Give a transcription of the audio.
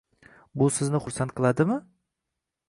Bu sizni xursand qiladimi?